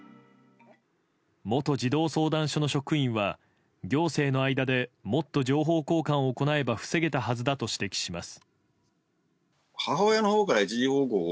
元児童相談所の職員は行政の間でもっと情報交換を行えば防げたはずだと指摘します。